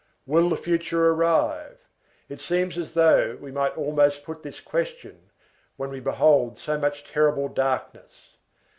Will the future arrive? It seems as though we might almost put this question, when we behold so much terrible darkness.